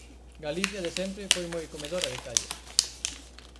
Galicia de sempre foi moi comedora de callos.